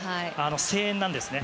声援なんですね。